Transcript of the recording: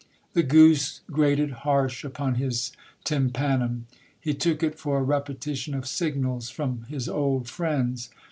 The goose grated harsh upon his tympanum ; he took it for a repetition of signals from his old friends.